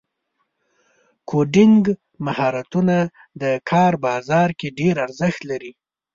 کوډینګ مهارتونه د کار بازار کې ډېر ارزښت لري.